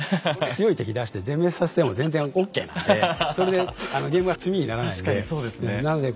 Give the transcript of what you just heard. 強い敵出して全滅させても全然ＯＫなんでそれでゲームは詰みにならないんで。